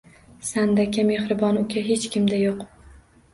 Sandaka mehribon uka hech kimda yoʻq.